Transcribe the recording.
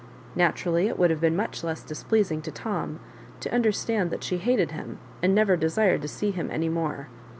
Naturally it would have been much less displeasing to Tom to understand that she hated him, and never desired to see him any more.